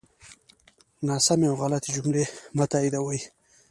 ناسمی او غلطی جملی مه تاییدوی